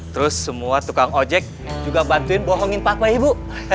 terus semua tukang ojek juga bantuin bohongin pak bay bu